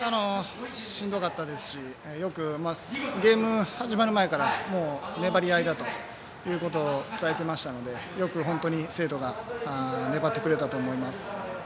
しんどかったですしゲームが始まる前から粘り合いだということを伝えていましたので本当によく生徒が粘ってくれたと思います。